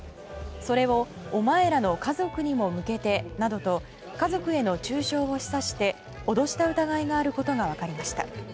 それをお前らの家族にも向けてなどと家族への中傷を示唆して脅した疑いがあることが分かりました。